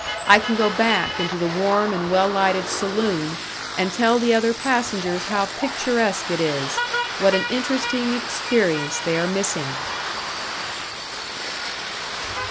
I can go back into the warm and well lighted saloon and tell the other passengers how picturesque it is, what an interesting experience they are missing!